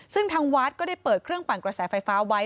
ซึ่งทางวัดก็ได้เปิดเครื่องปั่นกระแสไฟฟ้าไว้